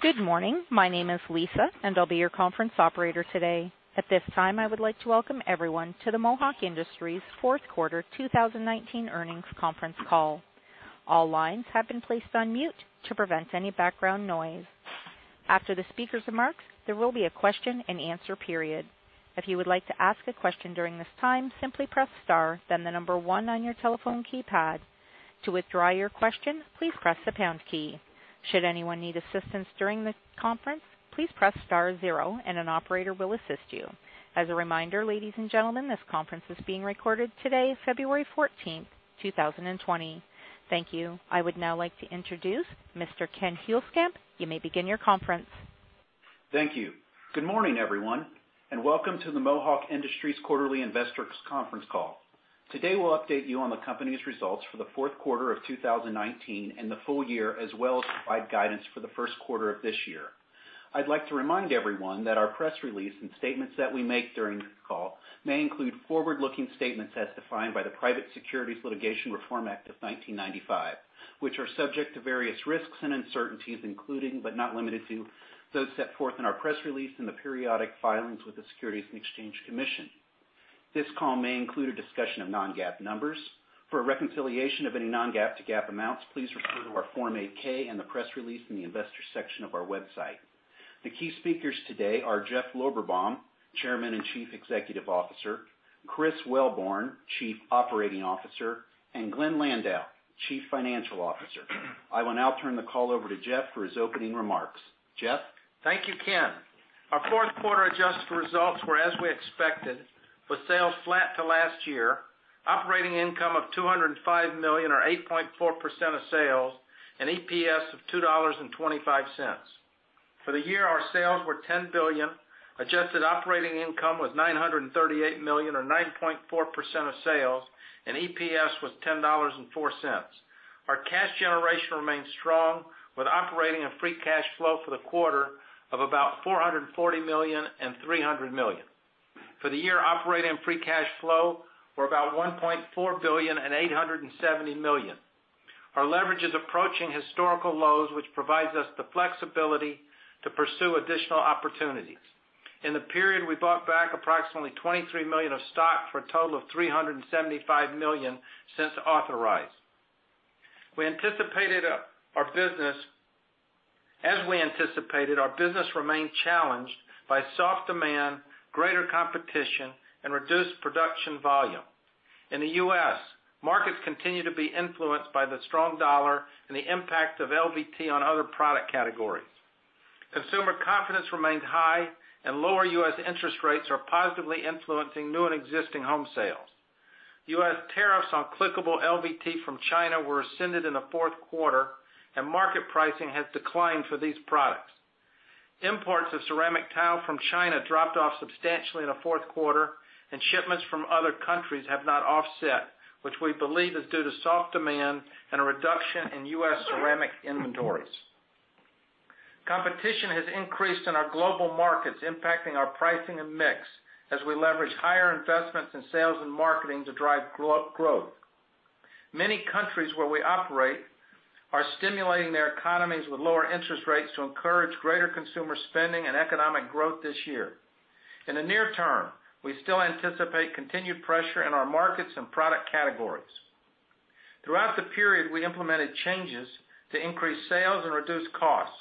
Good morning. My name is Lisa, and I'll be your conference operator today. At this time, I would like to welcome everyone to the Mohawk Industries fourth quarter 2019 earnings conference call. All lines have been placed on mute to prevent any background noise. After the speaker's remarks, there will be a question-and-answer period. If you would like to ask a question during this time, simply press star, then the number one on your telephone keypad. To withdraw your question, please press the pound key. Should anyone need assistance during this conference, please press star zero and an operator will assist you. As a reminder, ladies and gentlemen, this conference is being recorded today, February 14th, 2020. Thank you. I would now like to introduce Mr. Ken Huelskamp. You may begin your conference. Thank you. Good morning, everyone, and welcome to the Mohawk Industries quarterly investor conference call. Today, we'll update you on the company's results for the fourth quarter of 2019 and the full year, as well as provide guidance for the first quarter of this year. I'd like to remind everyone that our press release and statements that we make during this call may include forward-looking statements as defined by the Private Securities Litigation Reform Act of 1995, which are subject to various risks and uncertainties, including but not limited to, those set forth in our press release in the periodic filings with the Securities and Exchange Commission. This call may include a discussion of non-GAAP numbers. For a reconciliation of any non-GAAP to GAAP amounts, please refer to our Form 8-K and the press release in the investor section of our website. The key speakers today are Jeff Lorberbaum, Chairman and Chief Executive Officer, Chris Wellborn, Chief Operating Officer, and Glenn Landau, Chief Financial Officer. I will now turn the call over to Jeff for his opening remarks. Jeff? Thank you, Ken. Our fourth quarter adjusted results were as we expected, with sales flat to last year, operating income of $205 million or 8.4% of sales, and EPS of $2.25. For the year, our sales were $10 billion, adjusted operating income was $938 million or 9.4% of sales, and EPS was $10.04. Our cash generation remains strong, with operating and free cash flow for the quarter of about $440 million and $300 million. For the year, operating and free cash flow were about $1.4 billion and $870 million. Our leverage is approaching historical lows, which provides us the flexibility to pursue additional opportunities. In the period, we bought back approximately $23 million of stock for a total of $375 million since authorized. As we anticipated, our business remained challenged by soft demand, greater competition, and reduced production volume. In the U.S., markets continue to be influenced by the strong dollar and the impact of LVT on other product categories. Consumer confidence remained high, and lower U.S. interest rates are positively influencing new and existing home sales. U.S. tariffs on clickable LVT from China were rescinded in the fourth quarter, and market pricing has declined for these products. Imports of ceramic tile from China dropped off substantially in the fourth quarter, and shipments from other countries have not offset, which we believe is due to soft demand and a reduction in U.S. ceramic inventories. Competition has increased in our global markets, impacting our pricing and mix as we leverage higher investments in sales and marketing to drive growth. Many countries where we operate are stimulating their economies with lower interest rates to encourage greater consumer spending and economic growth this year. In the near term, we still anticipate continued pressure in our markets and product categories. Throughout the period, we implemented changes to increase sales and reduce costs.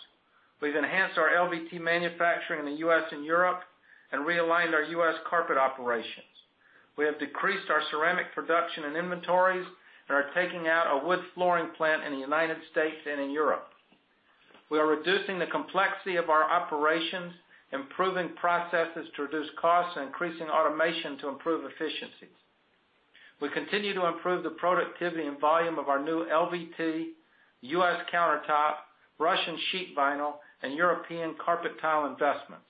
We've enhanced our LVT manufacturing in the U.S. and Europe and realigned our U.S. carpet operations. We have decreased our ceramic production and inventories and are taking out a wood flooring plant in the United States and in Europe. We are reducing the complexity of our operations, improving processes to reduce costs, and increasing automation to improve efficiencies. We continue to improve the productivity and volume of our new LVT, U.S. countertop, Russian sheet vinyl, and European carpet tile investments.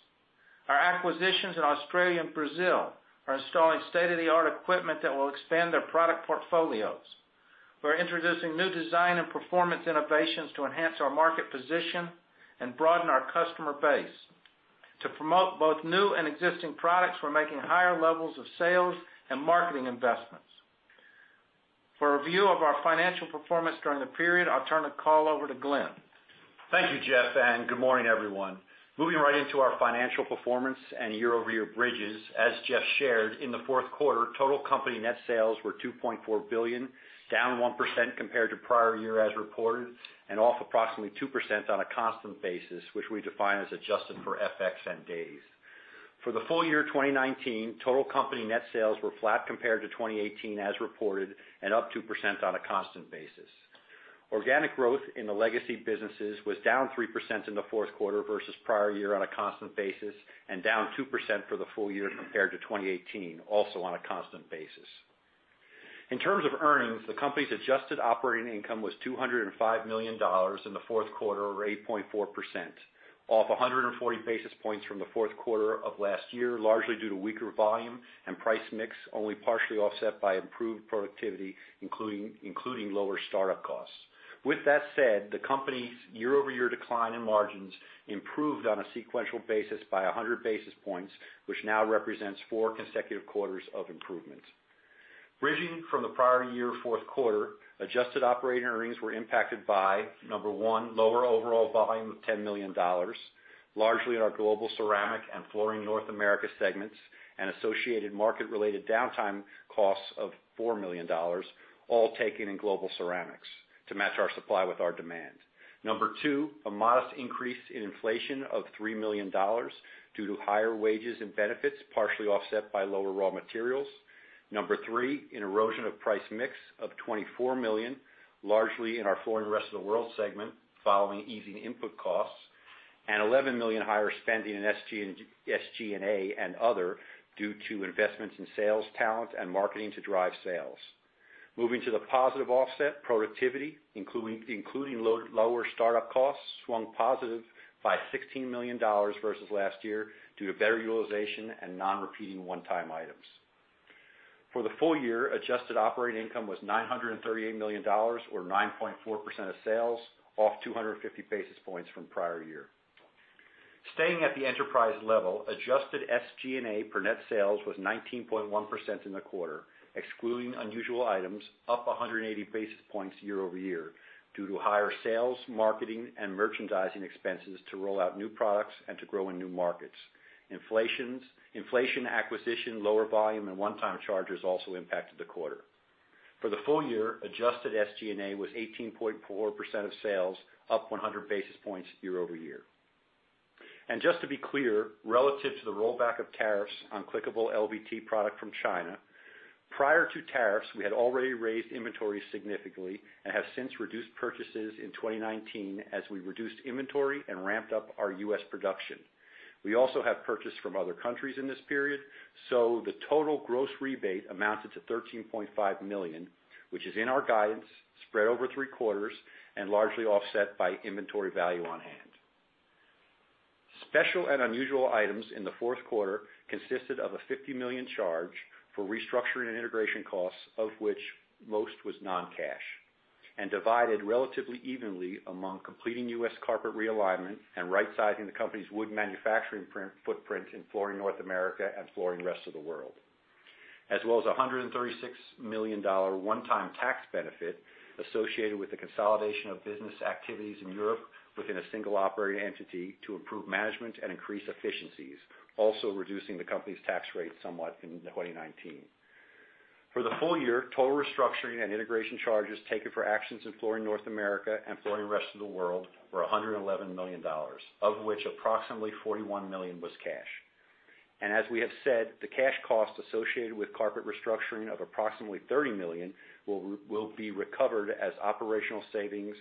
Our acquisitions in Australia and Brazil are installing state-of-the-art equipment that will expand their product portfolios. We're introducing new design and performance innovations to enhance our market position and broaden our customer base. To promote both new and existing products, we're making higher levels of sales and marketing investments. For a view of our financial performance during the period, I'll turn the call over to Glenn. Thank you, Jeff, and good morning, everyone. Moving right into our financial performance and year-over-year bridges, as Jeff shared, in the fourth quarter, total company net sales were $2.4 billion, down 1% compared to prior year as reported, and off approximately 2% on a constant basis, which we define as adjusted for FX and days. For the full year 2019, total company net sales were flat compared to 2018 as reported and up 2% on a constant basis. Organic growth in the legacy businesses was down 3% in the fourth quarter versus prior year on a constant basis and down 2% for the full year compared to 2018, also on a constant basis. In terms of earnings, the company's adjusted operating income was $205 million in the fourth quarter or 8.4%, off 140 basis points from the fourth quarter of last year, largely due to weaker volume and price mix, only partially offset by improved productivity, including lower startup costs. The company's year-over-year decline in margins improved on a sequential basis by 100 basis points, which now represents four consecutive quarters of improvements. Bridging from the prior year fourth quarter, adjusted operating earnings were impacted by, number one, lower overall volume of $10 million, largely in our Global Ceramic and Flooring North America segments, and associated market-related downtime costs of $4 million, all taken in Global Ceramic to match our supply with our demand. Number two, a modest increase in inflation of $3 million due to higher wages and benefits, partially offset by lower raw materials. Number three, an erosion of price mix of $24 million, largely in our Flooring Rest of the World segment following easing input costs, and $11 million higher spending in SG&A and other due to investments in sales talent and marketing to drive sales. Moving to the positive offset, productivity, including lower startup costs, swung positive by $16 million versus last year due to better utilization and non-repeating one-time items. For the full year, adjusted operating income was $938 million or 9.4% of sales, off 250 basis points from prior year. Staying at the enterprise level, adjusted SG&A per net sales was 19.1% in the quarter, excluding unusual items, up 180 basis points year-over-year due to higher sales, marketing, and merchandising expenses to roll out new products and to grow in new markets. Inflation acquisition, lower volume, and one-time charges also impacted the quarter. For the full year, adjusted SG&A was 18.4% of sales, up 100 basis points year-over-year. Just to be clear, relative to the rollback of tariffs on clickable LVT product from China, prior to tariffs, we had already raised inventory significantly and have since reduced purchases in 2019 as we reduced inventory and ramped up our U.S. production. We also have purchased from other countries in this period, so the total gross rebate amounted to $13.5 million, which is in our guidance, spread over three quarters and largely offset by inventory value on hand. Special and unusual items in the fourth quarter consisted of a $50 million charge for restructuring and integration costs, of which most was non-cash, and divided relatively evenly among completing U.S. carpet realignment and right-sizing the company's wood manufacturing footprint in Flooring North America and Flooring Rest of the World. As well as $136 million one-time tax benefit associated with the consolidation of business activities in Europe within a single operating entity to improve management and increase efficiencies, also reducing the company's tax rate somewhat in 2019. For the full year, total restructuring and integration charges taken for actions in Flooring North America and Flooring Rest of the World were $111 million, of which approximately $41 million was cash. As we have said, the cash cost associated with carpet restructuring of approximately $30 million will be recovered as operational savings,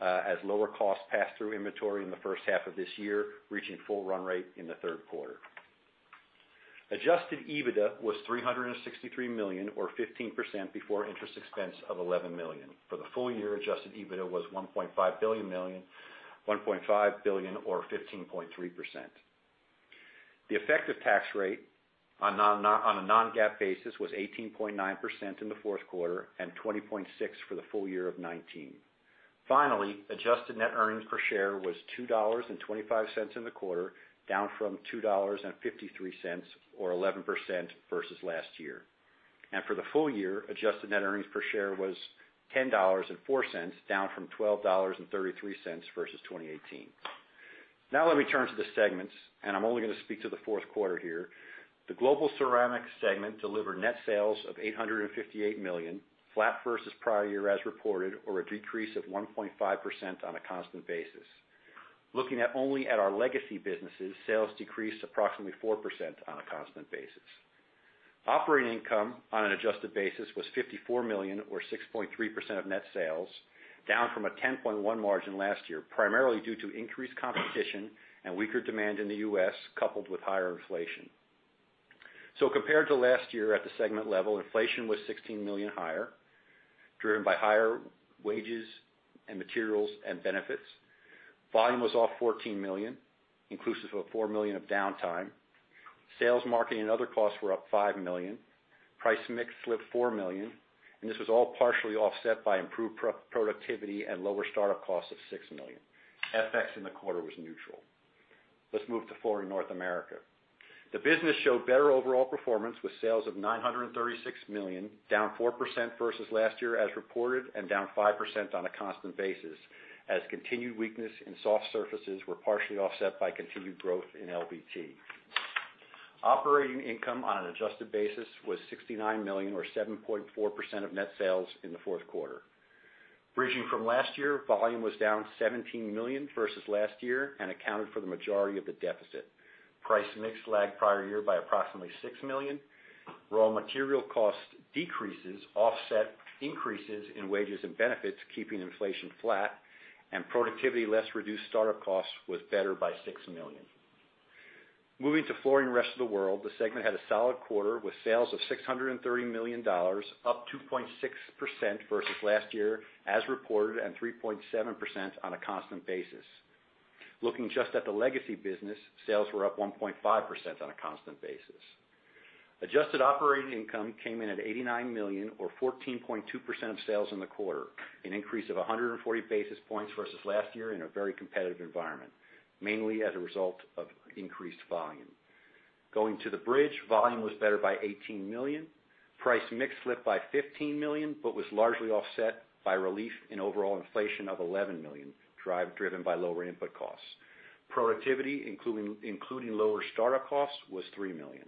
as lower costs pass through inventory in the first half of this year, reaching full run rate in the third quarter. Adjusted EBITDA was $363 million or 15% before interest expense of $11 million. For the full year, adjusted EBITDA was $1.5 billion or 15.3%. The effective tax rate on a non-GAAP basis was 18.9% in the fourth quarter and 20.6% for the full year of 2019. Finally, adjusted net earnings per share was $2.25 in the quarter, down from $2.53 or 11% versus last year. For the full year, adjusted net earnings per share was $10.04, down from $12.33 versus 2018. Let me turn to the segments, and I'm only going to speak to the fourth quarter here. The Global Ceramic segment delivered net sales of $858 million, flat versus prior year as reported or a decrease of 1.5% on a constant basis. Looking only at our legacy businesses, sales decreased approximately 4% on a constant basis. Operating income on an adjusted basis was $54 million or 6.3% of net sales, down from a 10.1% margin last year, primarily due to increased competition and weaker demand in the U.S., coupled with higher inflation. Compared to last year at the segment level, inflation was $16 million higher, driven by higher wages and materials and benefits. Volume was off $14 million, inclusive of $4 million of downtime. Sales, marketing, and other costs were up $5 million. Price mix slipped $4 million, and this was all partially offset by improved productivity and lower startup costs of $6 million. FX in the quarter was neutral. Let's move to Flooring North America. The business showed better overall performance with sales of $936 million, down 4% versus last year as reported and down 5% on a constant basis as continued weakness in soft surfaces were partially offset by continued growth in LVT. Operating income on an adjusted basis was $69 million or 7.4% of net sales in the fourth quarter. Bridging from last year, volume was down $17 million versus last year and accounted for the majority of the deficit. Price mix lagged prior year by approximately $6 million. Raw material cost decreases offset increases in wages and benefits, keeping inflation flat, and productivity less reduced startup costs was better by $6 million. Moving to Flooring Rest of the World, the segment had a solid quarter with sales of $630 million, up 2.6% versus last year as reported and 3.7% on a constant basis. Looking just at the legacy business, sales were up 1.5% on a constant basis. Adjusted operating income came in at $89 million or 14.2% of sales in the quarter, an increase of 140 basis points versus last year in a very competitive environment, mainly as a result of increased volume. Going to the bridge, volume was better by $18 million. Price mix slipped by $15 million, but was largely offset by relief in overall inflation of $11 million, driven by lower input costs. Productivity, including lower startup costs, was $3 million,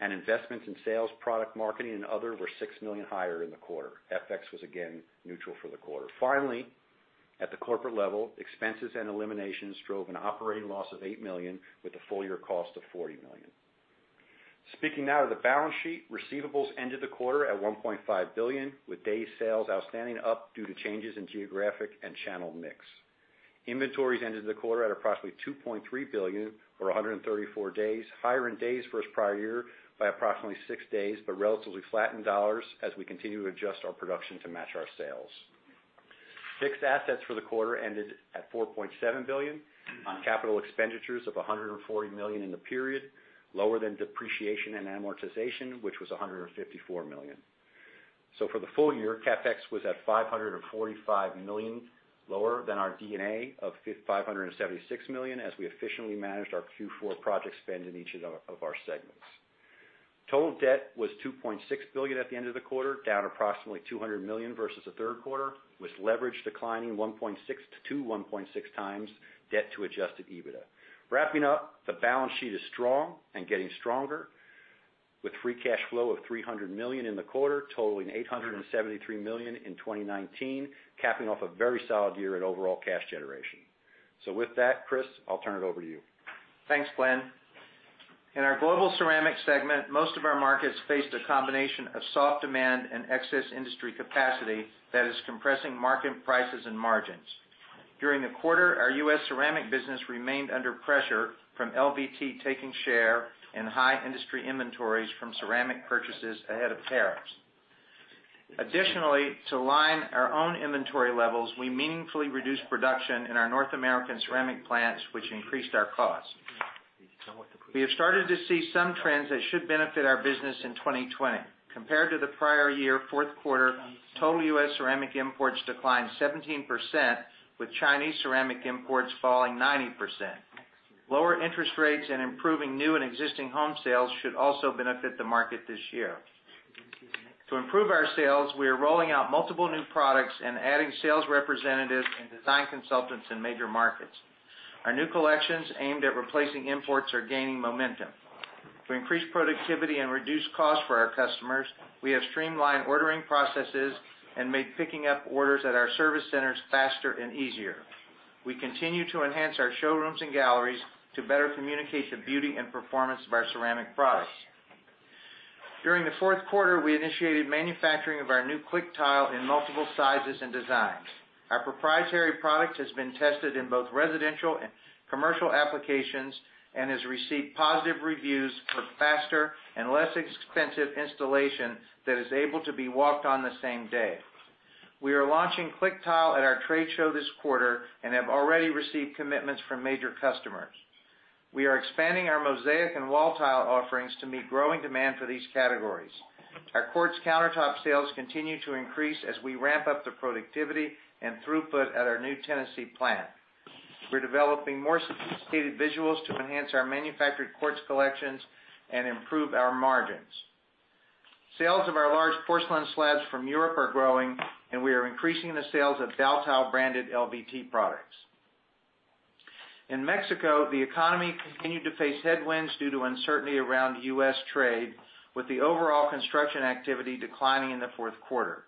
and investments in sales, product marketing, and other were $6 million higher in the quarter. FX was again neutral for the quarter. Finally, at the corporate level, expenses and eliminations drove an operating loss of $8 million with a full-year cost of $40 million. Speaking now to the balance sheet, receivables ended the quarter at $1.5 billion, with days sales outstanding up due to changes in geographic and channel mix. Inventories ended the quarter at approximately $2.3 billion or 134 days, higher in days versus prior year by approximately six days, but relatively flat in dollars as we continue to adjust our production to match our sales. Fixed assets for the quarter ended at $4.7 billion on capital expenditures of $140 million in the period, lower than depreciation and amortization, which was $154 million. For the full year, CapEx was at $545 million, lower than our D&A of $576 million as we efficiently managed our Q4 project spend in each of our segments. Total debt was $2.6 billion at the end of the quarter, down approximately $200 million versus the third quarter, with leverage declining 1.6 to 1.6x debt to adjusted EBITDA. Wrapping up, the balance sheet is strong and getting stronger with free cash flow of $300 million in the quarter, totaling $873 million in 2019, capping off a very solid year in overall cash generation. With that, Chris, I'll turn it over to you. Thanks, Glenn. In our Global Ceramic segment, most of our markets faced a combination of soft demand and excess industry capacity that is compressing market prices and margins. During the quarter, our U.S. Ceramic business remained under pressure from LVT taking share and high industry inventories from ceramic purchases ahead of tariffs. Additionally, to align our own inventory levels, we meaningfully reduced production in our North American ceramic plants, which increased our costs. We have started to see some trends that should benefit our business in 2020. Compared to the prior year fourth quarter, total U.S. ceramic imports declined 17%, with Chinese ceramic imports falling 90%. Lower interest rates and improving new and existing home sales should also benefit the market this year. To improve our sales, we are rolling out multiple new products and adding sales representatives and design consultants in major markets. Our new collections aimed at replacing imports are gaining momentum. To increase productivity and reduce costs for our customers, we have streamlined ordering processes and made picking up orders at our service centers faster and easier. We continue to enhance our showrooms and galleries to better communicate the beauty and performance of our ceramic products. During the fourth quarter, we initiated manufacturing of our new ClickTile in multiple sizes and designs. Our proprietary product has been tested in both residential and commercial applications and has received positive reviews for faster and less expensive installation that is able to be walked on the same day. We are launching ClickTile at our trade show this quarter and have already received commitments from major customers. We are expanding our mosaic and wall tile offerings to meet growing demand for these categories. Our quartz countertop sales continue to increase as we ramp up the productivity and throughput at our new Tennessee plant. We're developing more sophisticated visuals to enhance our manufactured quartz collections and improve our margins. Sales of our large porcelain slabs from Europe are growing, and we are increasing the sales of Daltile-branded LVT products. In Mexico, the economy continued to face headwinds due to uncertainty around U.S. trade, with the overall construction activity declining in the fourth quarter.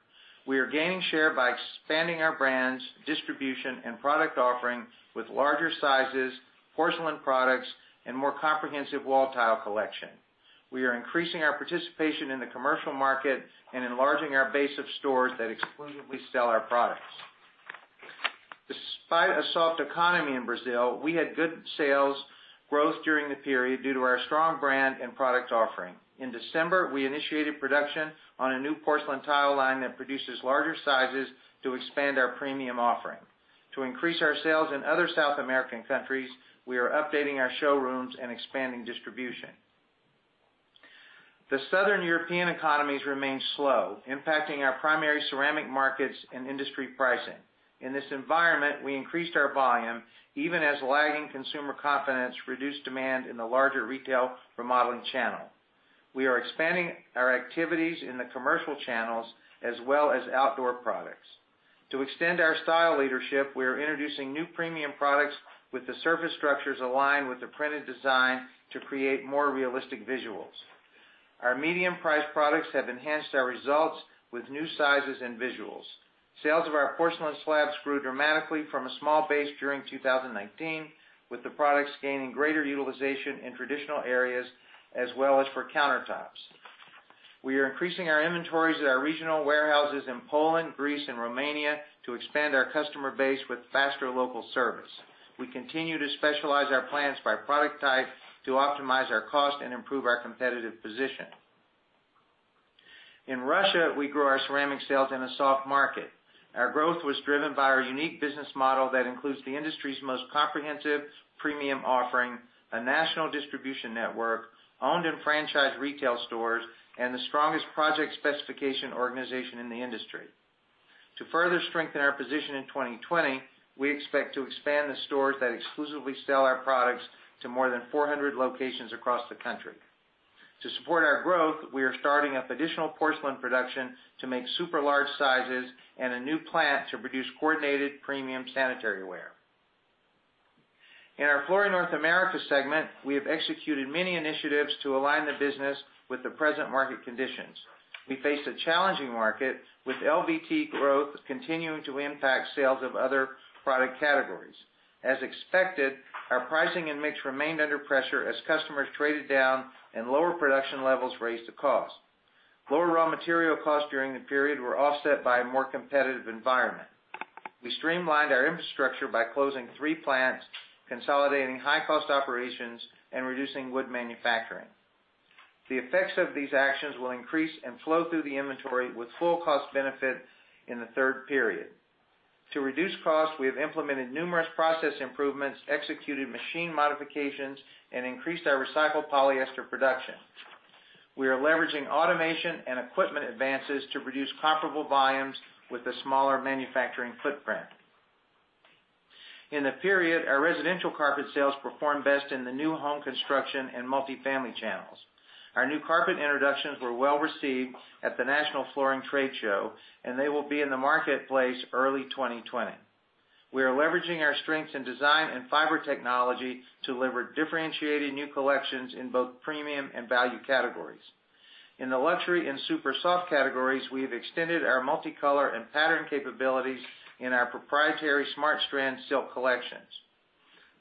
We are gaining share by expanding our brands, distribution, and product offering with larger sizes, porcelain products, and more comprehensive wall tile collection. We are increasing our participation in the commercial market and enlarging our base of stores that exclusively sell our products. Despite a soft economy in Brazil, we had good sales growth during the period due to our strong brand and product offering. In December, we initiated production on a new porcelain tile line that produces larger sizes to expand our premium offering. To increase our sales in other South American countries, we are updating our showrooms and expanding distribution. The Southern European economies remain slow, impacting our primary ceramic markets and industry pricing. In this environment, we increased our volume even as lagging consumer confidence reduced demand in the larger retail remodeling channel. We are expanding our activities in the commercial channels as well as outdoor products. To extend our style leadership, we are introducing new premium products with the surface structures aligned with the printed design to create more realistic visuals. Our medium-priced products have enhanced our results with new sizes and visuals. Sales of our porcelain slabs grew dramatically from a small base during 2019, with the products gaining greater utilization in traditional areas as well as for countertops. We are increasing our inventories at our regional warehouses in Poland, Greece, and Romania to expand our customer base with faster local service. We continue to specialize our plants by product type to optimize our cost and improve our competitive position. In Russia, we grew our ceramic sales in a soft market. Our growth was driven by our unique business model that includes the industry's most comprehensive premium offering, a national distribution network, owned and franchised retail stores, and the strongest project specification organization in the industry. To further strengthen our position in 2020, we expect to expand the stores that exclusively sell our products to more than 400 locations across the country. To support our growth, we are starting up additional porcelain production to make super large sizes and a new plant to produce coordinated premium sanitary ware. In our Flooring North America segment, we have executed many initiatives to align the business with the present market conditions. We face a challenging market with LVT growth continuing to impact sales of other product categories. As expected, our pricing and mix remained under pressure as customers traded down and lower production levels raised the cost. Lower raw material costs during the period were offset by a more competitive environment. We streamlined our infrastructure by closing three plants, consolidating high-cost operations, and reducing wood manufacturing. The effects of these actions will increase and flow through the inventory with full cost benefit in the third period. To reduce costs, we have implemented numerous process improvements, executed machine modifications, and increased our recycled polyester production. We are leveraging automation and equipment advances to produce comparable volumes with a smaller manufacturing footprint. In the period, our residential carpet sales performed best in the new home construction and multi-family channels. Our new carpet introductions were well-received at The International Surface Event, and they will be in the marketplace early 2020. We are leveraging our strengths in design and fiber technology to deliver differentiated new collections in both premium and value categories. In the luxury and super soft categories, we have extended our multicolor and pattern capabilities in our proprietary SmartStrand Silk collections.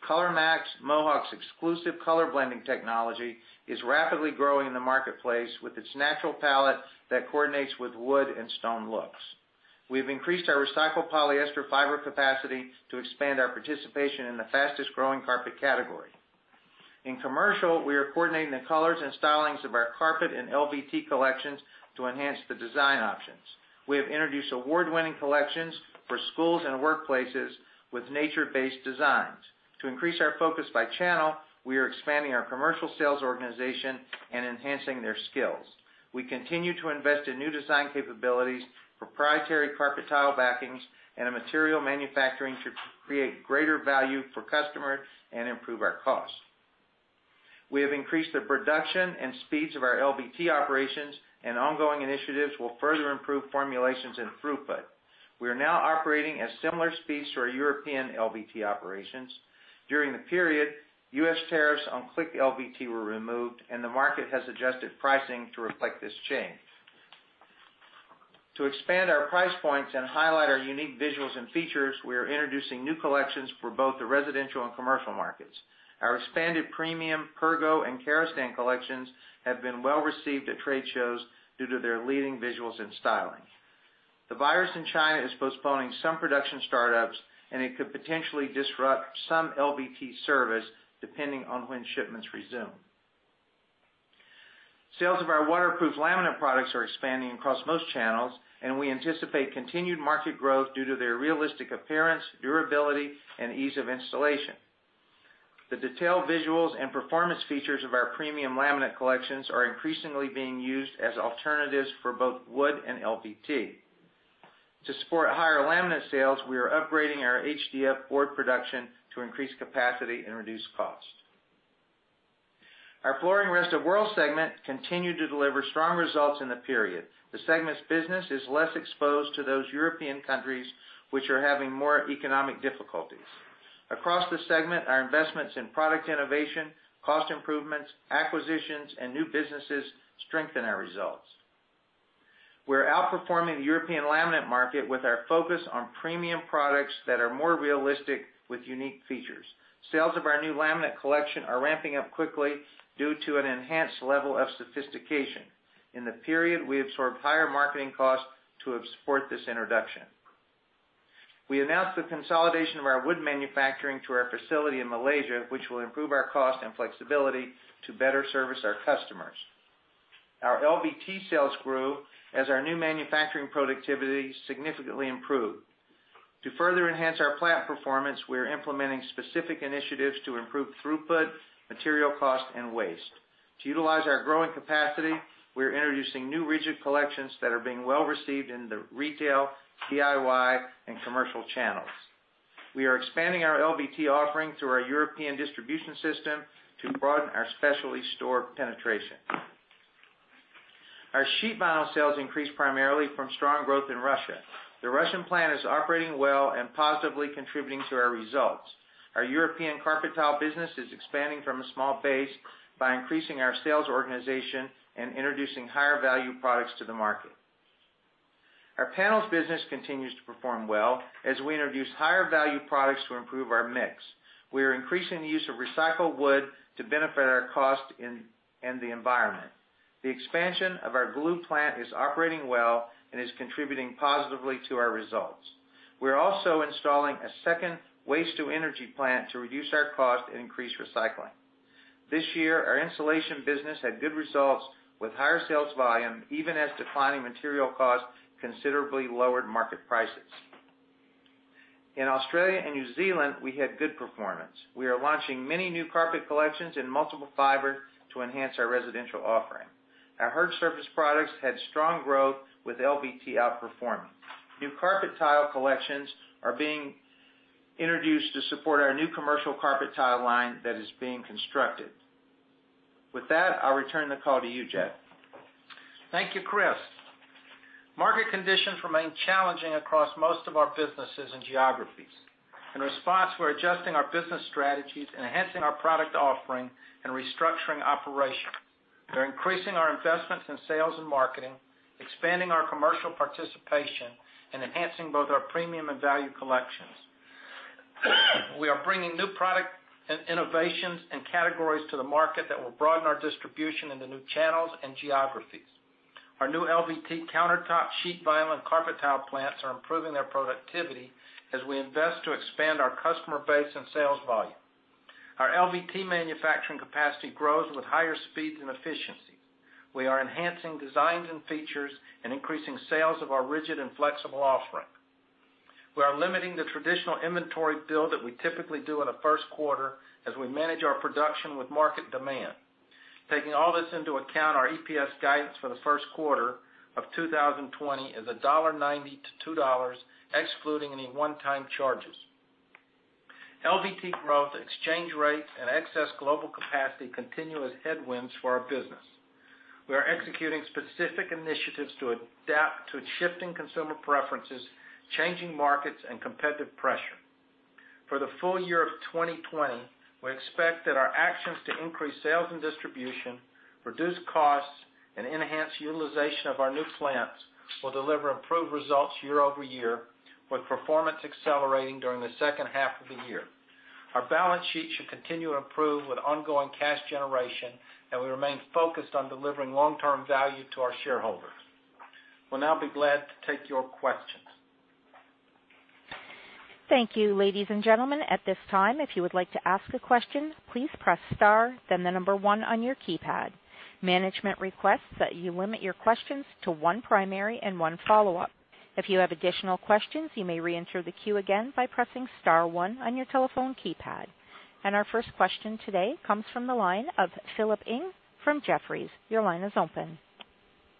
ColorMax, Mohawk's exclusive color blending technology, is rapidly growing in the marketplace with its natural palette that coordinates with wood and stone looks. We've increased our recycled polyester fiber capacity to expand our participation in the fastest-growing carpet category. In commercial, we are coordinating the colors and stylings of our carpet and LVT collections to enhance the design options. We have introduced award-winning collections for schools and workplaces with nature-based designs. To increase our focus by channel, we are expanding our commercial sales organization and enhancing their skills. We continue to invest in new design capabilities, proprietary carpet tile backings, and a material manufacturing to create greater value for customers and improve our cost. We have increased the production and speeds of our LVT operations, and ongoing initiatives will further improve formulations and throughput. We are now operating at similar speeds to our European LVT operations. During the period, U.S. tariffs on click LVT were removed, and the market has adjusted pricing to reflect this change. To expand our price points and highlight our unique visuals and features, we are introducing new collections for both the residential and commercial markets. Our expanded premium Pergo and Karastan collections have been well-received at trade shows due to their leading visuals and styling. The virus in China is postponing some production startups, and it could potentially disrupt some LVT service depending on when shipments resume. Sales of our waterproof laminate products are expanding across most channels, and we anticipate continued market growth due to their realistic appearance, durability, and ease of installation. The detailed visuals and performance features of our premium laminate collections are increasingly being used as alternatives for both wood and LVT. To support higher laminate sales, we are upgrading our HDF board production to increase capacity and reduce cost. Our Flooring Rest of the World segment continued to deliver strong results in the period. The segment's business is less exposed to those European countries which are having more economic difficulties. Across the segment, our investments in product innovation, cost improvements, acquisitions, and new businesses strengthen our results. We're outperforming the European laminate market with our focus on premium products that are more realistic with unique features. Sales of our new laminate collection are ramping up quickly due to an enhanced level of sophistication. In the period, we absorbed higher marketing costs to support this introduction. We announced the consolidation of our wood manufacturing to our facility in Malaysia, which will improve our cost and flexibility to better service our customers. Our LVT sales grew as our new manufacturing productivity significantly improved. To further enhance our plant performance, we're implementing specific initiatives to improve throughput, material cost, and waste. To utilize our growing capacity, we're introducing new rigid collections that are being well-received in the retail, DIY, and commercial channels. We are expanding our LVT offering through our European distribution system to broaden our specialty store penetration. Our sheet vinyl sales increased primarily from strong growth in Russia. The Russian plant is operating well and positively contributing to our results. Our European carpet tile business is expanding from a small base by increasing our sales organization and introducing higher-value products to the market. Our panels business continues to perform well as we introduce higher-value products to improve our mix. We are increasing the use of recycled wood to benefit our cost and the environment. The expansion of our glue plant is operating well and is contributing positively to our results. We're also installing a second waste to energy plant to reduce our cost and increase recycling. This year, our insulation business had good results with higher sales volume, even as declining material cost considerably lowered market prices. In Australia and New Zealand, we had good performance. We are launching many new carpet collections in multiple fiber to enhance our residential offering. Our hard surface products had strong growth with LVT outperforming. New carpet tile collections are being introduced to support our new commercial carpet tile line that is being constructed. With that, I'll return the call to you, Jeff. Thank you, Chris. Market conditions remain challenging across most of our businesses and geographies. In response, we're adjusting our business strategies, enhancing our product offering, and restructuring operations. We're increasing our investments in sales and marketing, expanding our commercial participation, and enhancing both our premium and value collections. We are bringing new product innovations and categories to the market that will broaden our distribution into new channels and geographies. Our new LVT countertop sheet vinyl and carpet tile plants are improving their productivity as we invest to expand our customer base and sales volume. Our LVT manufacturing capacity grows with higher speeds and efficiencies. We are enhancing designs and features and increasing sales of our rigid and flexible offering. We are limiting the traditional inventory build that we typically do in a first quarter as we manage our production with market demand. Taking all this into account, our EPS guidance for the first quarter of 2020 is $1.90-$2, excluding any one-time charges. LVT growth, exchange rates, and excess global capacity continue as headwinds for our business. We are executing specific initiatives to adapt to shifting consumer preferences, changing markets, and competitive pressure. For the full year of 2020, we expect that our actions to increase sales and distribution, reduce costs, and enhance utilization of our new plants will deliver improved results year-over-year, with performance accelerating during the second half of the year. Our balance sheet should continue to improve with ongoing cash generation, and we remain focused on delivering long-term value to our shareholders. We'll now be glad to take your questions. Thank you, ladies and gentlemen. At this time, if you would like to ask a question, please press star, then the number one on your keypad. Management requests that you limit your questions to one primary and one follow-up. If you have additional questions, you may reenter the queue again by pressing star one on your telephone keypad. Our first question today comes from the line of Philip Ting from Jefferies. Your line is open.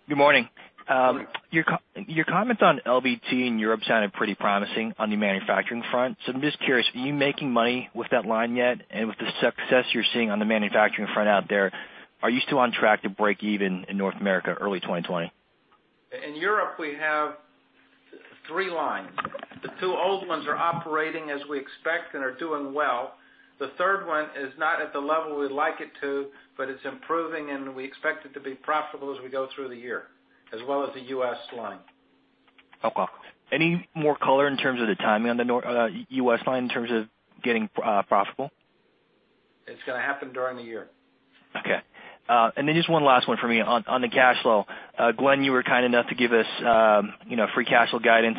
Good morning. Good morning. Your comment on LVT in Europe sounded pretty promising on the manufacturing front. I'm just curious, are you making money with that line yet? And with the success you're seeing on the manufacturing front out there, are you still on track to break even in North America, early 2020? In Europe, we have three lines. The two old ones are operating as we expect and are doing well. The third one is not at the level we'd like it to, but it's improving, and we expect it to be profitable as we go through the year, as well as the U.S. line. Okay. Any more color in terms of the timing on the U.S. line in terms of getting profitable? It's going to happen during the year. Okay. Just one last one from me. On the cash flow, Glenn, you were kind enough to give us free cash flow guidance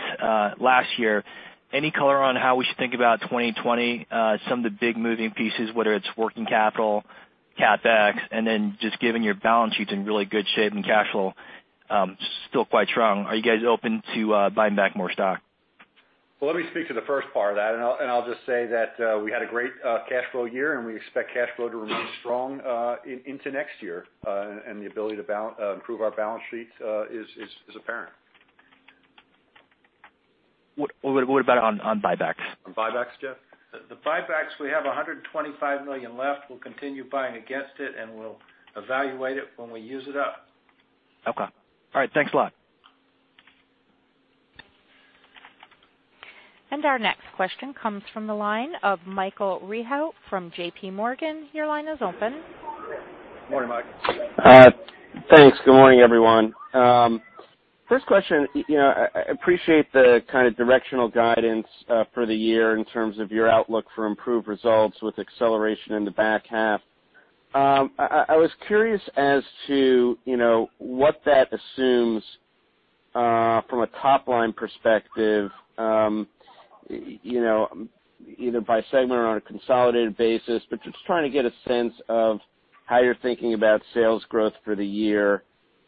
last year. Any color on how we should think about 2020, some of the big moving pieces, whether it's working capital, CapEx? Just given your balance sheet's in really good shape and cash flow still quite strong, are you guys open to buying back more stock? Let me speak to the first part of that, and I'll just say that we had a great cash flow year, and we expect cash flow to remain strong into next year. The ability to improve our balance sheets is apparent. What about on buybacks? On buybacks, Jeff? The buybacks, we have $125 million left. We'll continue buying against it, and we'll evaluate it when we use it up. Okay. All right. Thanks a lot. Our next question comes from the line of Michael Rehaut from JPMorgan. Your line is open. Morning, Mike. Thanks. Good morning, everyone. First question, I appreciate the kind of directional guidance for the year in terms of your outlook for improved results with acceleration in the back half. I was curious as to what that assumes from a top-line perspective, either by segment or on a consolidated basis, just trying to get a sense of how you're thinking about sales growth for the year,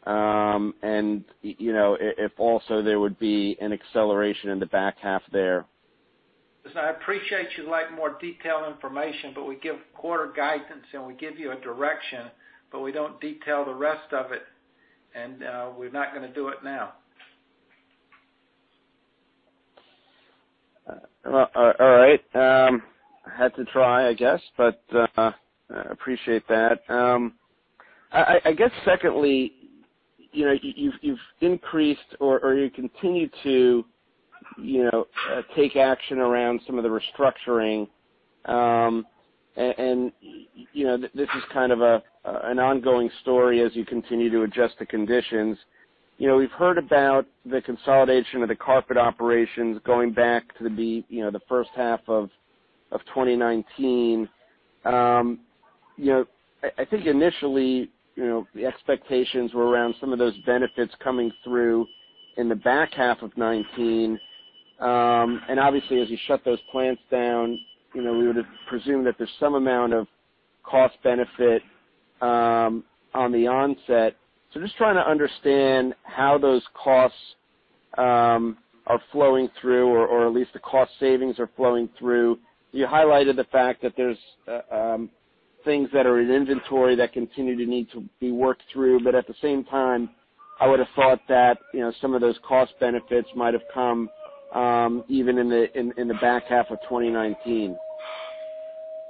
and if also there would be an acceleration in the back half there. Listen, I appreciate you'd like more detailed information, but we give quarter guidance, and we give you a direction, but we don't detail the rest of it, and we're not going to do it now. All right. I had to try, I guess, but I appreciate that. I guess secondly, you've increased, or you continue to take action around some of the restructuring, and this is kind of an ongoing story as you continue to adjust to conditions. We've heard about the consolidation of the carpet operations going back to the first half of 2019. I think initially, the expectations were around some of those benefits coming through in the back half of 2019. Obviously, as you shut those plants down, we would have presumed that there's some amount of cost benefit on the onset. Just trying to understand how those costs are flowing through, or at least the cost savings are flowing through. You highlighted the fact that there's things that are in inventory that continue to need to be worked through, but at the same time, I would've thought that some of those cost benefits might have come even in the back half of 2019.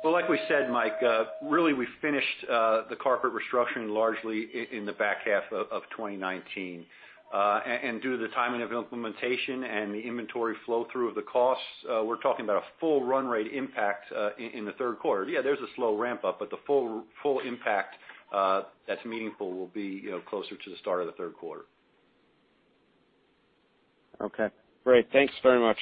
Well, like we said, Mike, really, we finished the corporate restructuring largely in the back half of 2019. Due to the timing of implementation and the inventory flow through of the costs, we're talking about a full run rate impact in the third quarter. Yeah, there's a slow ramp-up, but the full impact that's meaningful will be closer to the start of the third quarter. Okay, great. Thanks very much.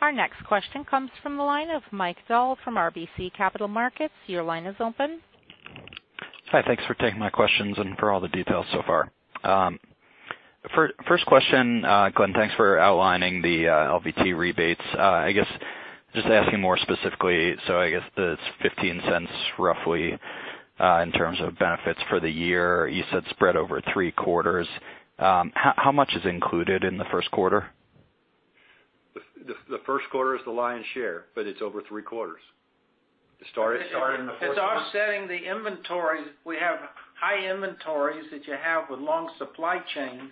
Our next question comes from the line of Mike Dahl from RBC Capital Markets. Your line is open. Hi, thanks for taking my questions and for all the details so far. First question, Glenn, thanks for outlining the LVT rebates. Just asking more specifically It's $0.15 roughly in terms of benefits for the year. You said spread over three quarters. How much is included in the first quarter? The first quarter is the lion's share, but it's over three quarters. It started in the fourth quarter. It's offsetting the inventory. We have high inventories that you have with long supply chains,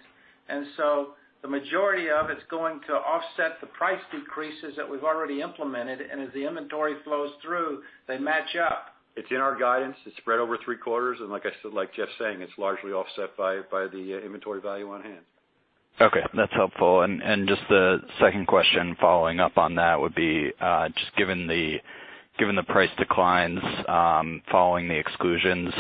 the majority of it's going to offset the price decreases that we've already implemented. As the inventory flows through, they match up. It's in our guidance. It's spread over three quarters, and like Jeff's saying, it's largely offset by the inventory value on hand. Okay. That's helpful. Just the second question following up on that would be, just given the price declines following the exclusions,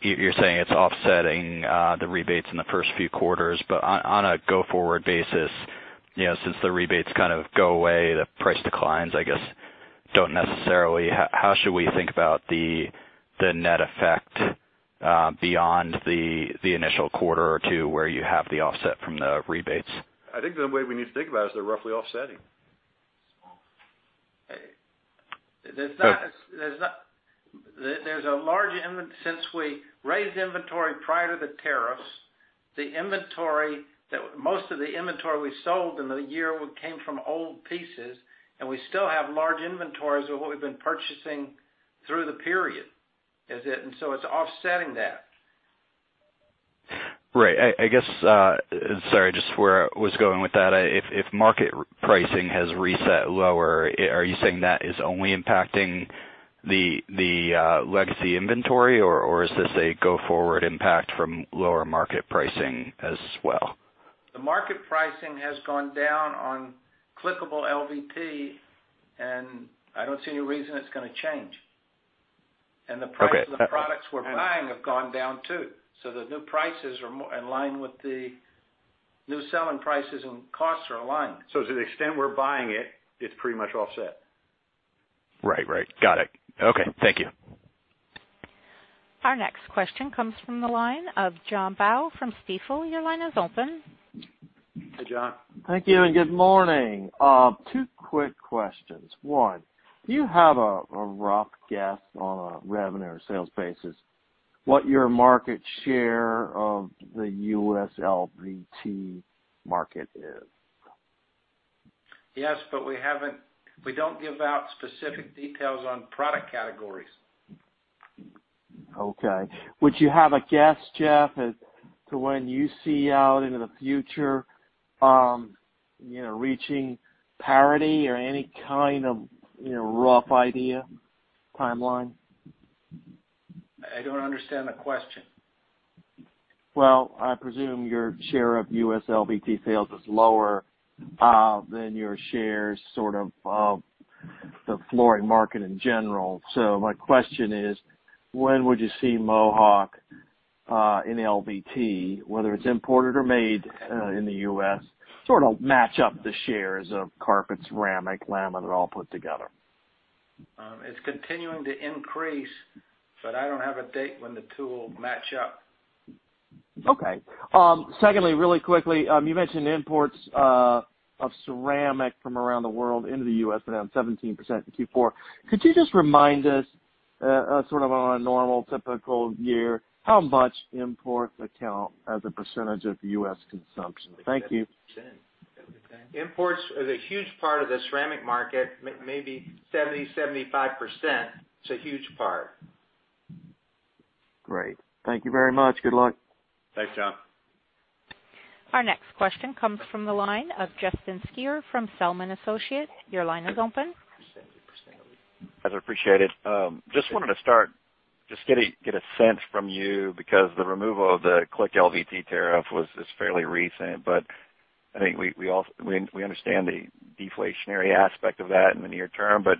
you're saying it's offsetting the rebates in the first few quarters, but on a go-forward basis, since the rebates kind of go away, the price declines, I guess don't necessarily. How should we think about the net effect beyond the initial quarter or two where you have the offset from the rebates? I think the way we need to think about it is they're roughly offsetting. Since we raised inventory prior to the tariffs, most of the inventory we sold in the year came from old pieces, and we still have large inventories of what we've been purchasing through the period. It's offsetting that. Right. Sorry, just where I was going with that, if market pricing has reset lower, are you saying that is only impacting the legacy inventory, or is this a go forward impact from lower market pricing as well? The market pricing has gone down on clickable LVT, and I don't see any reason it's going to change. Okay. The price of the products we're buying have gone down, too. The new prices are in line with the new selling prices, and costs are aligned. To the extent we're buying it's pretty much all set. Right. Got it. Okay. Thank you. Our next question comes from the line of Jon Bowe from Stifel. Your line is open. Hey, Jon. Thank you and good morning. Two quick questions. One, do you have a rough guess on a revenue or sales basis, what your market share of the U.S. LVT market is? Yes, we don't give out specific details on product categories. Okay. Would you have a guess, Jeff, as to when you see out into the future, reaching parity or any kind of rough idea, timeline? I don't understand the question. Well, I presume your share of U.S. LVT sales is lower than your shares of the flooring market in general. My question is, when would you see Mohawk in LVT, whether it's imported or made in the U.S., sort of match up the shares of carpets, ceramic, laminate, all put together? It's continuing to increase, but I don't have a date when the two will match up. Okay. Secondly, really quickly, you mentioned imports of ceramic from around the world into the U.S., around 17% in Q4. Could you just remind us sort of on a normal, typical year, how much imports account as a % of U.S. consumption? Thank you. Imports is a huge part of the ceramic market. Maybe 70%, 75%. It's a huge part. Great. Thank you very much. Good luck. Thanks, Jon. Our next question comes from the line of Justin Speer from Zelman & Associates. Your line is open. I appreciate it. Just wanted to start, just get a sense from you, because the removal of the clickable LVT tariff was just fairly recent. I think we understand the deflationary aspect of that in the near term, but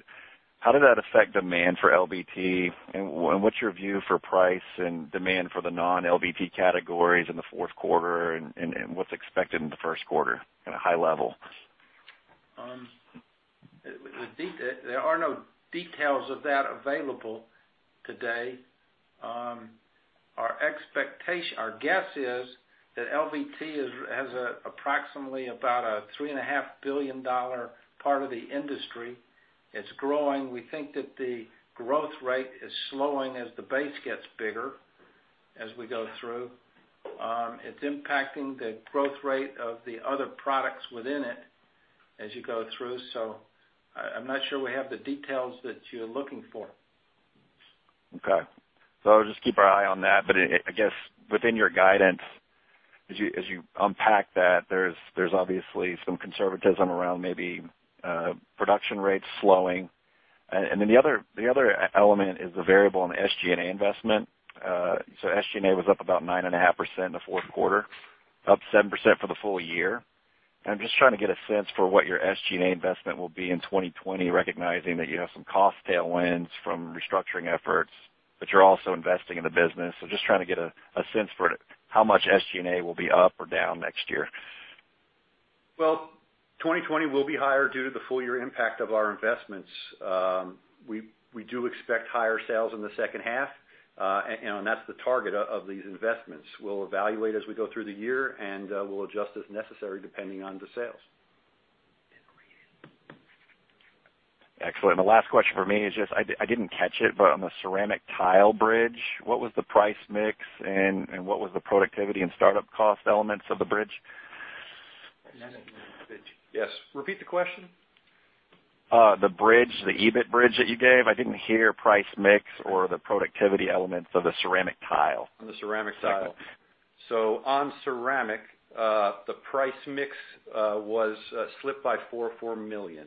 how did that affect demand for LVT, and what's your view for price and demand for the non-LVT categories in the fourth quarter, and what's expected in the first quarter at a high level? There are no details of that available today. Our guess is that LVT has approximately about a $3.5 billion part of the industry. It's growing. We think that the growth rate is slowing as the base gets bigger as we go through. It's impacting the growth rate of the other products within it as you go through. I'm not sure we have the details that you're looking for. Okay. I'll just keep our eye on that. I guess within your guidance, as you unpack that, there's obviously some conservatism around maybe production rates slowing. The other element is the variable in the SG&A investment. SG&A was up about 9.5% in the fourth quarter, up 7% for the full year. I'm just trying to get a sense for what your SG&A investment will be in 2020, recognizing that you have some cost tailwinds from restructuring efforts, but you're also investing in the business. Just trying to get a sense for how much SG&A will be up or down next year. Well, 2020 will be higher due to the full year impact of our investments. We do expect higher sales in the second half. That's the target of these investments. We'll evaluate as we go through the year, and we'll adjust as necessary, depending on the sales. Excellent. The last question from me is just, I didn't catch it, on the ceramic tile bridge, what was the price mix and what was the productivity and startup cost elements of the bridge? Yes. Repeat the question. The bridge, the EBIT bridge that you gave. I didn't hear price mix or the productivity elements of the ceramic tile. On the ceramic tile. On ceramic, the price mix slipped by $4 million.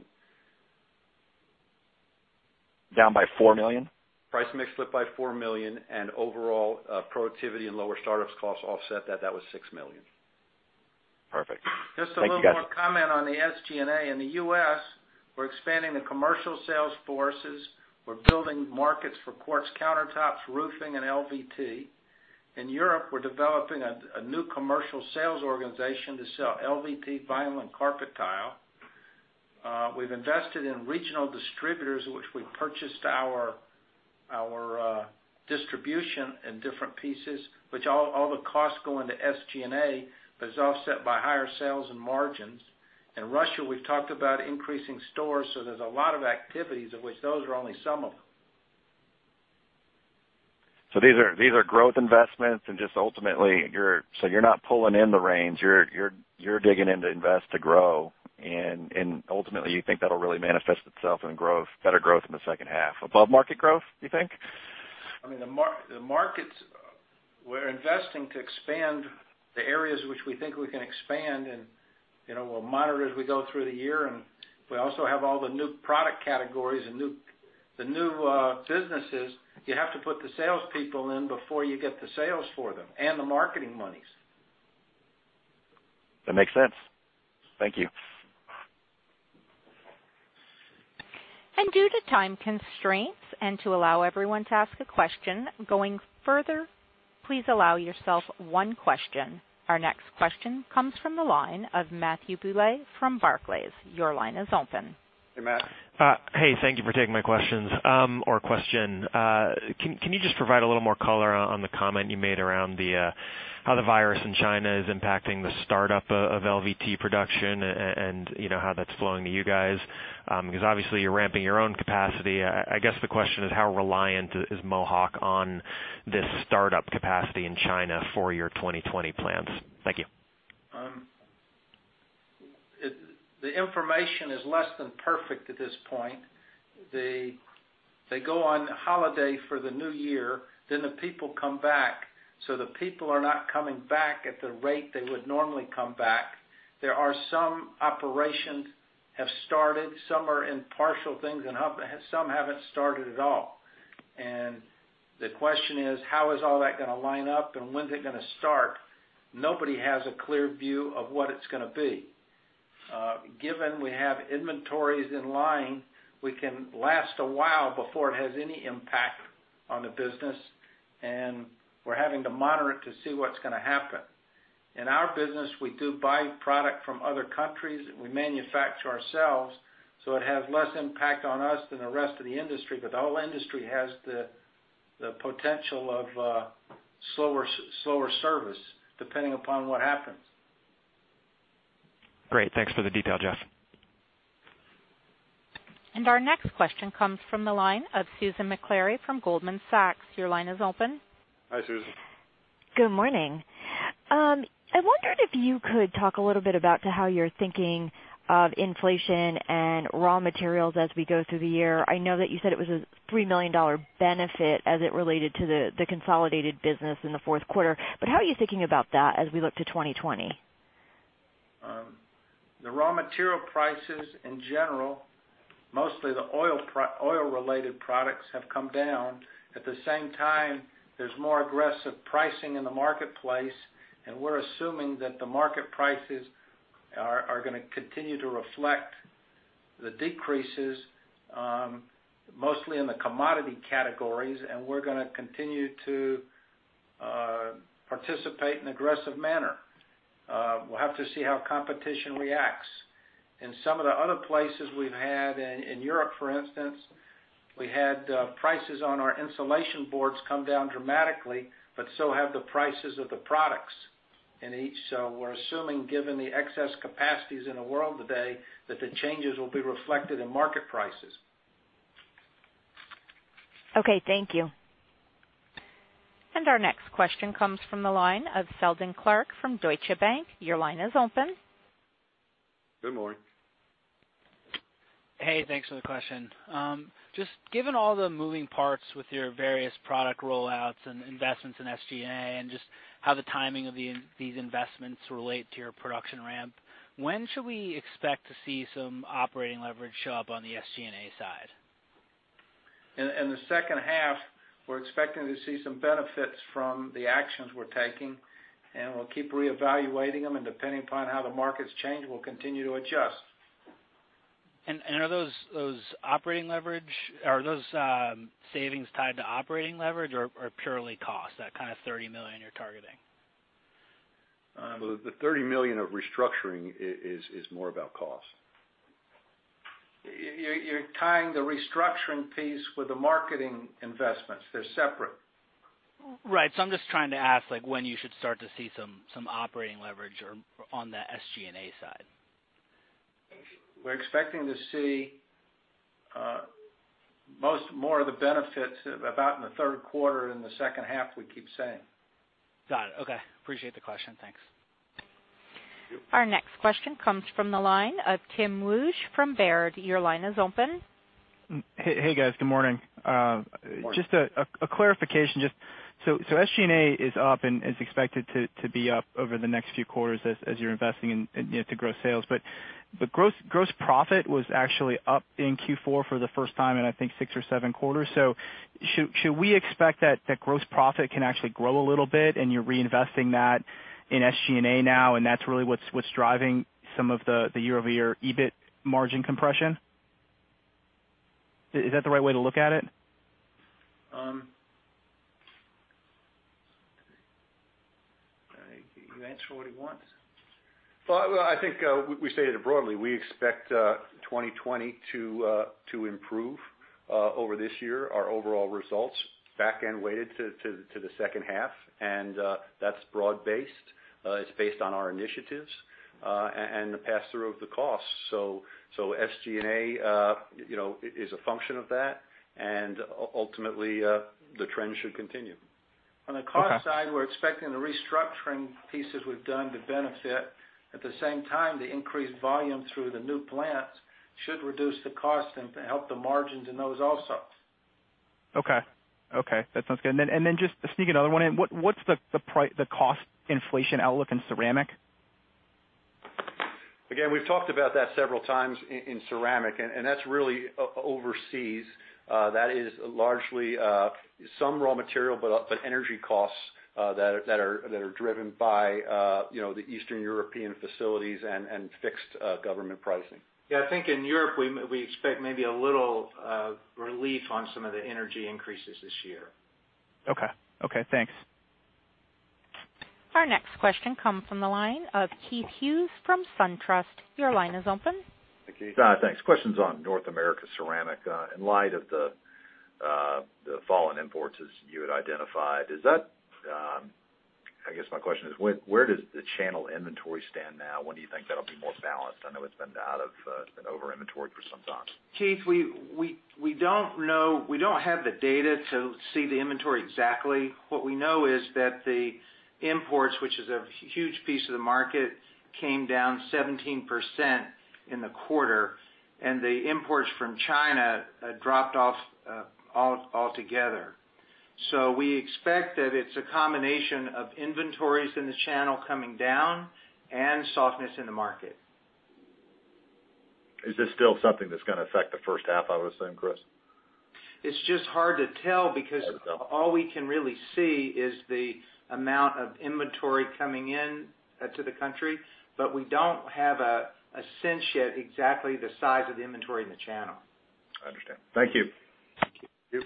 Down by $4 million? Price mix slipped by $4 million. Overall productivity and lower startups costs offset that. That was $6 million. Perfect. Thank you, guys. Just a little more comment on the SG&A. In the U.S., we're expanding the commercial sales forces. We're building markets for quartz countertops, roofing, and LVT. In Europe, we're developing a new commercial sales organization to sell LVT, vinyl, and carpet tile. We've invested in regional distributors, which we purchased our distribution in different pieces, which all the costs go into SG&A, but it's offset by higher sales and margins. In Russia, we've talked about increasing stores. There's a lot of activities, of which those are only some of them. These are growth investments and just ultimately, so you're not pulling in the reins. You're digging in to invest to grow, and ultimately, you think that'll really manifest itself in better growth in the second half. Above-market growth, do you think? We're investing to expand the areas which we think we can expand, and we'll monitor as we go through the year. We also have all the new product categories and the new businesses. You have to put the salespeople in before you get the sales for them, and the marketing monies. That makes sense. Thank you. Due to time constraints, and to allow everyone to ask a question, going further, please allow yourself one question. Our next question comes from the line of Matthew Bouley from Barclays. Your line is open. Hey, Matt. Hey, thank you for taking my questions, or question. Can you just provide a little more color on the comment you made around how the virus in China is impacting the startup of LVT production and how that's flowing to you guys? Obviously you're ramping your own capacity. I guess the question is, how reliant is Mohawk on this startup capacity in China for your 2020 plans? Thank you. The information is less than perfect at this point. They go on holiday for the New Year, then the people come back. The people are not coming back at the rate they would normally come back. There are some operations have started, some are in partial things, and some haven't started at all. The question is, how is all that going to line up, and when's it going to start? Nobody has a clear view of what it's going to be. Given we have inventories in line, we can last a while before it has any impact on the business, and we're having to monitor it to see what's going to happen. In our business, we do buy product from other countries, and we manufacture ourselves, so it has less impact on us than the rest of the industry, but the whole industry has the potential of slower service depending upon what happens. Great. Thanks for the detail, Jeff. Our next question comes from the line of Susan Maklari from Goldman Sachs. Your line is open. Hi, Susan. Good morning. I wondered if you could talk a little bit about how you're thinking of inflation and raw materials as we go through the year. I know that you said it was a $3 million benefit as it related to the consolidated business in the fourth quarter. How are you thinking about that as we look to 2020? The raw material prices in general, mostly the oil-related products, have come down. At the same time, there's more aggressive pricing in the marketplace. We're assuming that the market prices are going to continue to reflect the decreases, mostly in the commodity categories, and we're going to continue to participate in aggressive manner. We'll have to see how competition reacts. In some of the other places we've had, in Europe, for instance, we had prices on our insulation boards come down dramatically, but so have the prices of the products in each. We're assuming, given the excess capacities in the world today, that the changes will be reflected in market prices. Okay, thank you. Our next question comes from the line of Seldon Clarke from Deutsche Bank. Your line is open. Good morning. Hey, thanks for the question. Just given all the moving parts with your various product rollouts and investments in SG&A and just how the timing of these investments relate to your production ramp, when should we expect to see some operating leverage show up on the SG&A side? In the second half, we're expecting to see some benefits from the actions we're taking, and we'll keep reevaluating them, and depending upon how the markets change, we'll continue to adjust. Are those savings tied to operating leverage or purely cost, that kind of $30 million you're targeting? Well, the $30 million of restructuring is more about cost. You're tying the restructuring piece with the marketing investments. They're separate. I'm just trying to ask, when you should start to see some operating leverage or on the SG&A side. We're expecting to see more of the benefits about in the third quarter and the second half, we keep saying. Got it. Okay. Appreciate the question. Thanks. Our next question comes from the line of Tim Wojs from Baird. Your line is open. Hey, guys. Good morning. Morning. Just a clarification. SG&A is up and is expected to be up over the next few quarters as you're investing to grow sales. Gross profit was actually up in Q4 for the first time in, I think, six or seven quarters. Should we expect that gross profit can actually grow a little bit and you're reinvesting that in SG&A now and that's really what's driving some of the year-over-year EBIT margin compression? Is that the right way to look at it? You answer what he wants. Well, I think we stated it broadly. We expect 2020 to improve over this year, our overall results, back-end weighted to the second half, and that's broad-based. It's based on our initiatives, and the pass-through of the costs. SG&A is a function of that, and ultimately, the trend should continue. Okay. On the cost side, we're expecting the restructuring pieces we've done to benefit. At the same time, the increased volume through the new plants should reduce the cost and help the margins in those also. Okay. That sounds good. Just to sneak another one in, what's the cost inflation outlook in ceramic? We've talked about that several times in ceramic, and that's really overseas. That is largely some raw material, but energy costs that are driven by the Eastern European facilities and fixed government pricing. Yeah, I think in Europe, we expect maybe a little relief on some of the energy increases this year. Okay. Thanks. Our next question comes from the line of Keith Hughes from SunTrust. Your line is open. Hey, Keith. Thanks. Question's on North America Ceramic. In light of the fallen imports as you had identified, I guess my question is where does the channel inventory stand now? When do you think that'll be more balanced? I know it's been out of over-inventoried for some time. Keith, we don't have the data to see the inventory exactly. What we know is that the imports, which is a huge piece of the market, came down 17% in the quarter, and the imports from China dropped off altogether. We expect that it's a combination of inventories in the channel coming down and softness in the market. Is this still something that's going to affect the first half, I would assume, Chris? It's just hard to tell because all we can really see is the amount of inventory coming in to the country, but we don't have a sense yet exactly the size of the inventory in the channel. I understand. Thank you. Thank you.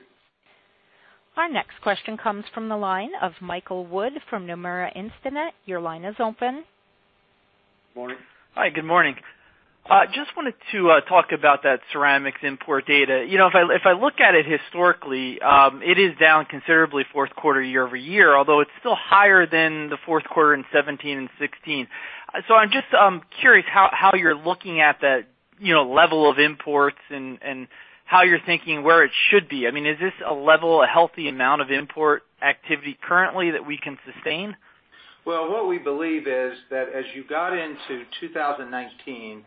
Our next question comes from the line of Michael Wood from Nomura Instinet. Your line is open. Morning. Hi, good morning. Just wanted to talk about that ceramics import data. If I look at it historically, it is down considerably fourth quarter year-over-year, although it's still higher than the fourth quarter in 2017 and 2016. I'm just curious how you're looking at that level of imports and how you're thinking where it should be. Is this a level, a healthy amount of import activity currently that we can sustain? Well, what we believe is that as you got into 2019,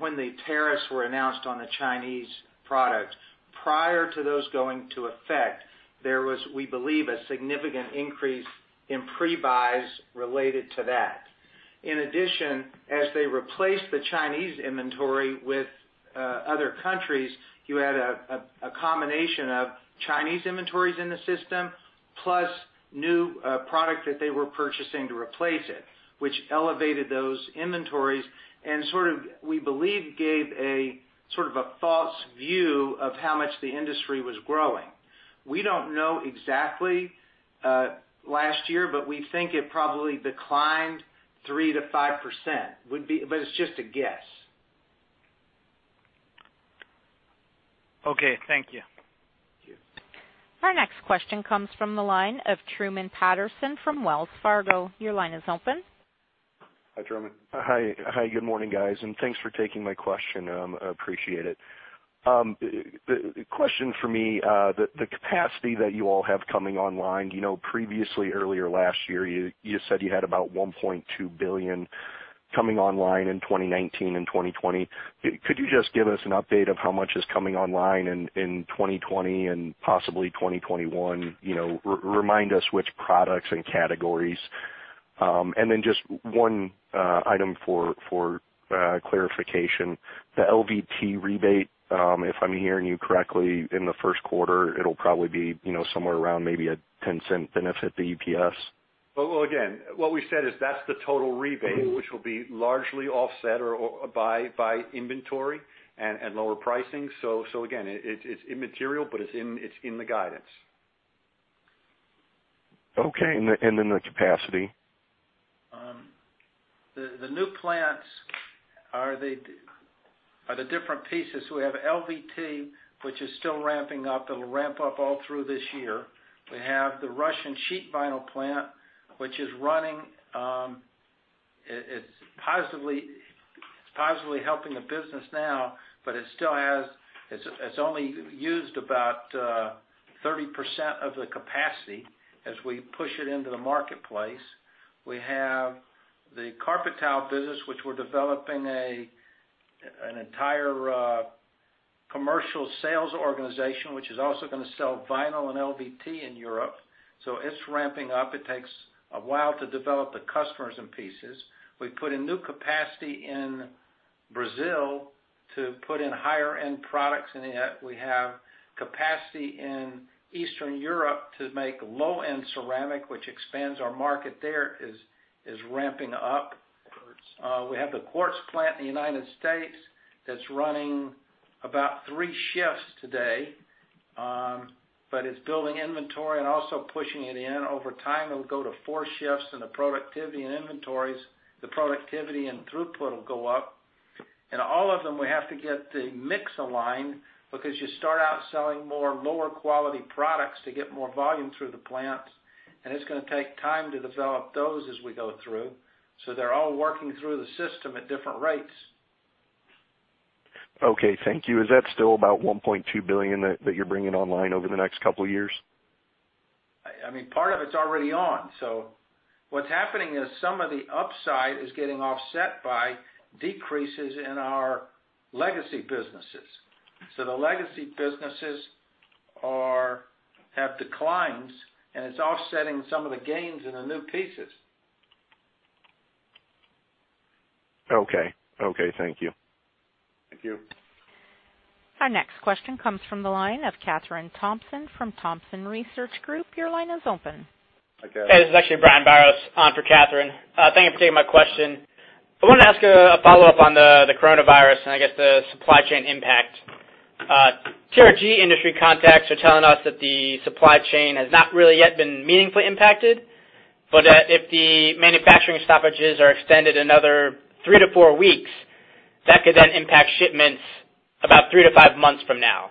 when the tariffs were announced on the Chinese product, prior to those going to effect, there was, we believe, a significant increase in pre-buys related to that. In addition, as they replaced the Chinese inventory with other countries, you had a combination of Chinese inventories in the system, plus new product that they were purchasing to replace it, which elevated those inventories and sort of, we believe, gave a sort of a false view of how much the industry was growing. We don't know exactly last year, but we think it probably declined 3%-5%, but it's just a guess. Okay, thank you. Our next question comes from the line of Truman Patterson from Wells Fargo. Your line is open. Hi, Truman. Hi. Good morning, guys. Thanks for taking my question. I appreciate it. The question for me, the capacity that you all have coming online, previously, earlier last year, you said you had about $1.2 billion coming online in 2019 and 2020. Could you just give us an update of how much is coming online in 2020 and possibly 2021? Remind us which products and categories. Just one item for clarification. The LVT rebate, if I'm hearing you correctly, in the first quarter, it'll probably be somewhere around maybe a $0.10 benefit to EPS? Well, again, what we said is that's the total rebate, which will be largely offset by inventory and lower pricing. Again, it's immaterial, but it's in the guidance. Okay. The capacity. The new plants are the different pieces. We have LVT, which is still ramping up. It'll ramp up all through this year. We have the Russian sheet vinyl plant, which is running. It's positively helping the business now, but it's only used about 30% of the capacity as we push it into the marketplace. We have the carpet tile business, which we're developing an entire commercial sales organization, which is also going to sell vinyl and LVT in Europe, so it's ramping up. It takes a while to develop the customers and pieces. We put in new capacity in Brazil to put in higher-end products, and yet we have capacity in Eastern Europe to make low-end ceramic, which expands our market there, is ramping up. Quartz. We have the quartz plant in the U.S. that's running about three shifts today. It's building inventory and also pushing it in. Over time, it'll go to four shifts, and the productivity and throughput will go up. All of them, we have to get the mix aligned because you start out selling more lower-quality products to get more volume through the plants. It's going to take time to develop those as we go through. They're all working through the system at different rates. Okay, thank you. Is that still about $1.2 billion that you're bringing online over the next couple of years? Part of it's already on. What's happening is some of the upside is getting offset by decreases in our legacy businesses. The legacy businesses have declines, and it's offsetting some of the gains in the new pieces. Okay. Thank you. Thank you. Our next question comes from the line of Kathryn Thompson from Thompson Research Group. Your line is open. Hi, Kathryn. Hey, this is actually Brian Biros for Kathryn. Thank you for taking my question. I wanted to ask a follow-up on the coronavirus, and I guess the supply chain impact. TRG industry contacts are telling us that the supply chain has not really yet been meaningfully impacted, but that if the manufacturing stoppages are extended another three to four weeks, that could then impact shipments about three to five months from now.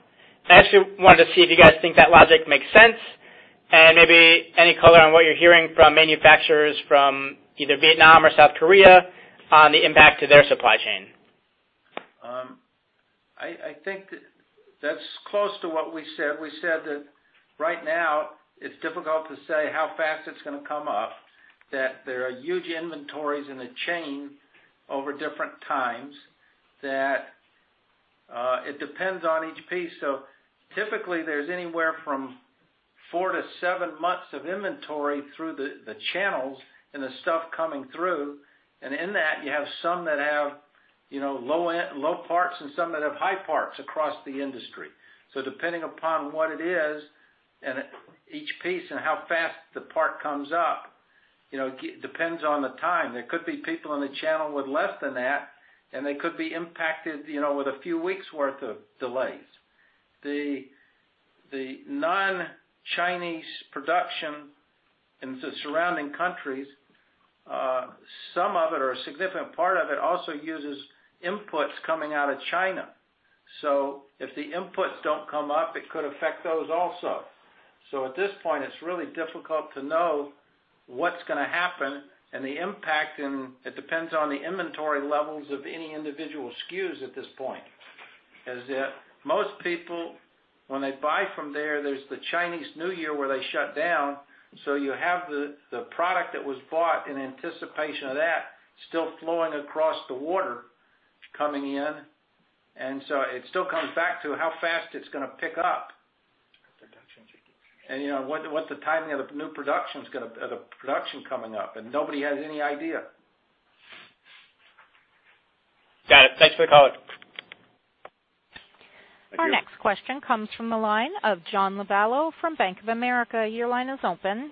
I actually wanted to see if you guys think that logic makes sense, and maybe any color on what you're hearing from manufacturers from either Vietnam or South Korea on the impact to their supply chain. I think that's close to what we said. We said that right now it's difficult to say how fast it's going to come up, that there are huge inventories in the chain over different times, that it depends on each piece. Typically, there's anywhere from four to seven months of inventory through the channels and the stuff coming through. And in that, you have some that have low parts and some that have high parts across the industry. Depending upon what it is, and each piece and how fast the part comes up, it depends on the time. There could be people in the channel with less than that, and they could be impacted with a few weeks' worth of delays. The non-Chinese production in the surrounding countries, some of it or a significant part of it also uses inputs coming out of China. If the inputs don't come up, it could affect those also. At this point, it's really difficult to know what's going to happen and the impact, and it depends on the inventory levels of any individual SKUs at this point. As most people, when they buy from there's the Chinese New Year where they shut down, so you have the product that was bought in anticipation of that still flowing across the water, coming in. It still comes back to how fast it's going to pick up. Production should increase. What the timing of the production coming up, and nobody has any idea. Got it. Thanks for the call. Thank you. Our next question comes from the line of John Lovallo from Bank of America. Your line is open.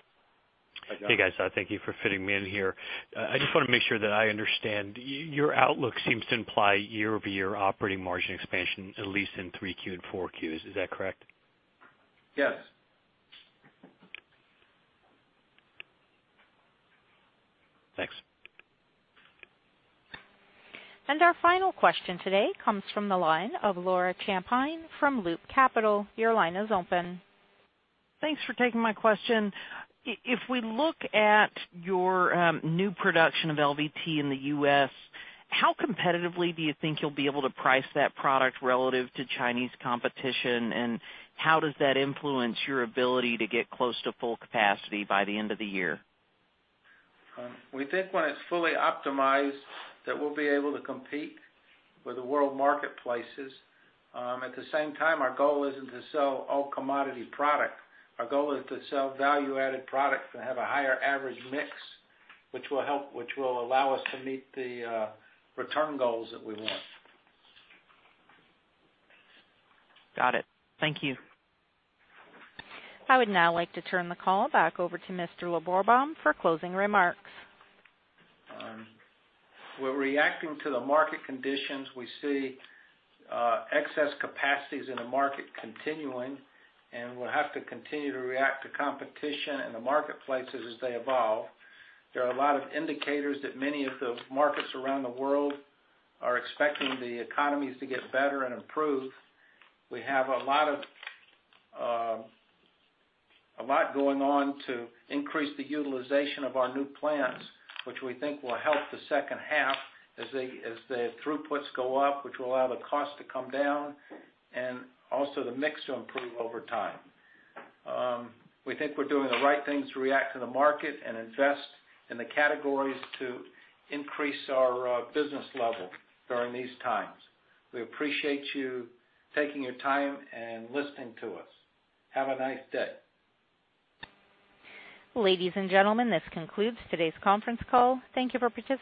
Hi, guys. Thank you for fitting me in here. I just want to make sure that I understand. Your outlook seems to imply year-over-year operating margin expansion, at least in 3Q and 4Qs. Is that correct? Yes. Thanks. Our final question today comes from the line of Laura Champine from Loop Capital. Your line is open. Thanks for taking my question. If we look at your new production of LVT in the U.S., how competitively do you think you'll be able to price that product relative to Chinese competition? How does that influence your ability to get close to full capacity by the end of the year? We think when it's fully optimized, that we'll be able to compete with the world marketplaces. At the same time, our goal isn't to sell all commodity product. Our goal is to sell value-added product and have a higher average mix, which will allow us to meet the return goals that we want. Got it. Thank you. I would now like to turn the call back over to Mr. Lorberbaum for closing remarks. We're reacting to the market conditions. We see excess capacities in the market continuing. We'll have to continue to react to competition in the marketplaces as they evolve. There are a lot of indicators that many of the markets around the world are expecting the economies to get better and improve. We have a lot going on to increase the utilization of our new plants, which we think will help the second half as the throughputs go up, which will allow the cost to come down, and also the mix to improve over time. We think we're doing the right things to react to the market and invest in the categories to increase our business level during these times. We appreciate you taking your time and listening to us. Have a nice day. Ladies and gentlemen, this concludes today's conference call. Thank you for participating.